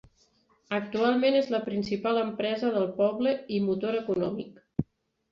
Actualment és la principal empresa del poble i motor econòmic.